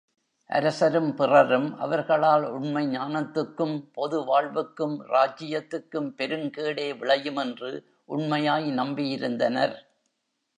அரசரும் பிறரும் அவர்களால் உண்மை ஞானத்துக்கும், பொது வாழ்வுக்கும், ராஜ்யத்துக்கும் பெருங் கேடே விளையுமென்று உண்மையாய் நம்பியிருந்தனர்.